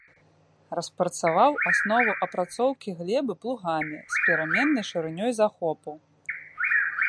Распрацаваў асновы апрацоўкі глебы плугамі з пераменнай шырынёй захопу.